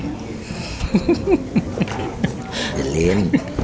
อย่าเล่น